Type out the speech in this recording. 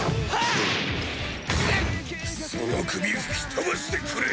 その首吹き飛ばしてくれよう！